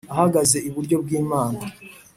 Ahagaze iburyo bw imana